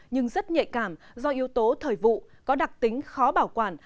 nhưng rất nhạy cảm do yếu tố thời vụ có đặc tính khó bảo quản